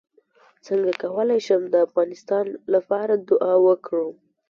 څنګه کولی شم د افغانستان لپاره دعا وکړم